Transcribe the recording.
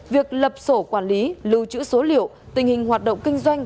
việc lập sổ quản lý lưu trữ số liệu tình hình hoạt động kinh doanh